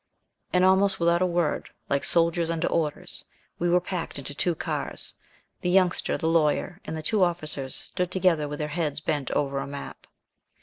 And, almost without a word, like soldiers under orders, we were packed into the two cars. The Youngster, the Lawyer, and the two officers stood together with their heads bent over a map.